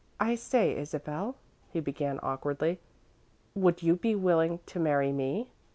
"I say, Isabel," he began awkwardly. "Would you be willing to marry me?"